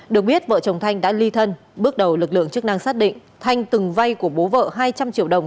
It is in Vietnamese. được biết vợ chồng thanh đã ly thân bước đầu lực lượng chức năng xác định thanh từng vay của bố vợ hai trăm linh triệu đồng